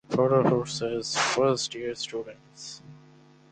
Forrer houses first-year students.